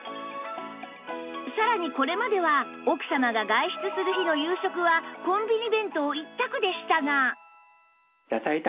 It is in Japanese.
さらにこれまでは奥様が外出する日の夕食はコンビニ弁当一択でしたが